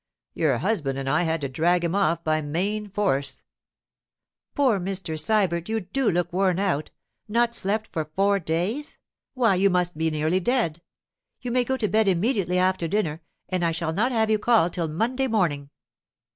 Your husband and I had to drag him off by main force.' 'Poor Mr. Sybert! you do look worn out. Not slept for four days? Why, you must be nearly dead! You may go to bed immediately after dinner, and I shall not have you called till Monday morning.